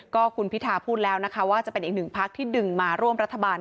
ก็คุณพิธาพูดแล้วนะคะว่าจะเป็นอีกหนึ่งพักที่ดึงมาร่วมรัฐบาล